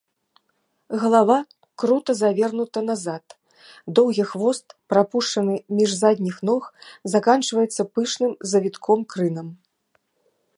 Галава крута завернута назад, доўгі хвост, прапушчаны між задніх ног, заканчваецца пышным завітком-крынам.